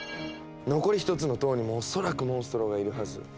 残り１つの塔にも恐らくモンストロがいるはず。